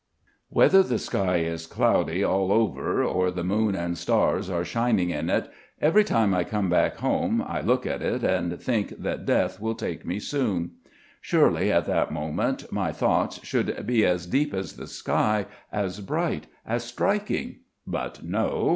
Whether the sky is cloudy all over or the moon and stars are shining in it, every time I come back home I look at it and think that death will take me soon. Surely at that moment my thoughts should be as deep as the sky, as bright, as striking ... but no!